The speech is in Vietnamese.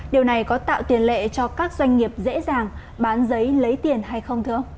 điều này có tạo tiền lệ cho các doanh nghiệp dễ dàng bán giấy lấy tiền hay không thưa ông